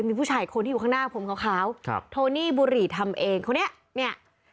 มีผู้ชายอีกคนที่อยู่ข้างหน้าผมขาวครับโทนี่บุหรี่ทำเองคนนี้เนี่ย